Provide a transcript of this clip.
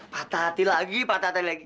patah hati lagi patah hati